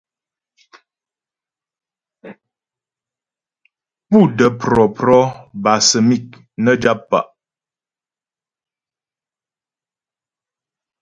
Pú də́ prɔ̌prɔ bâ səmi' nə́ jap pa'.